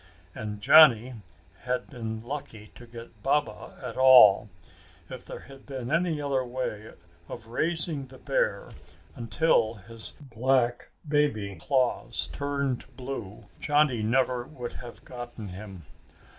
And Johnny had been lucky to get Baba at all. If there had been any other way of raising the bear until his black baby claws turned blue, Johnny never would have gotten him.